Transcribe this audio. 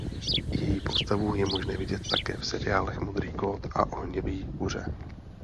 Její postavu je možné vidět také v seriálech "Modrý kód" a "Ohnivý kuře".